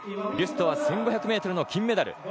ビュストは１５００ｍの金メダル。